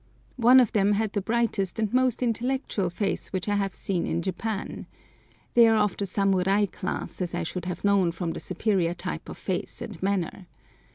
One of them had the brightest and most intellectual face which I have seen in Japan. They are of the samurai class, as I should have known from the superior type of face and manner.